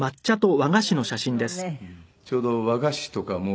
ちょうど和菓子とかも。